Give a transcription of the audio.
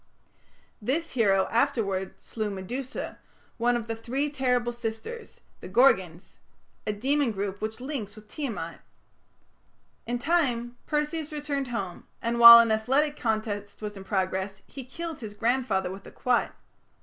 This hero afterwards slew Medusa, one of the three terrible sisters, the Gorgons a demon group which links with Tiamat. In time, Perseus returned home, and while an athletic contest was in progress, he killed his grandfather with a quoit.